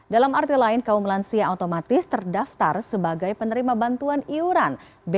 dalam arti lain kaum lansia otomatis terdaftar sebagai penerima bantuan iuran